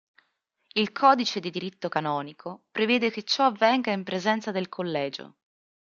Il codice di diritto canonico prevede che ciò avvenga in presenza del collegio.